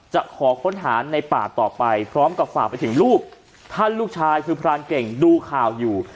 จะขอค้นหาในป่าต่อไปพร้อมกับฝากไปถึงลูกถ้าลูกชายคือพรานเก่งดูข่าวอยู่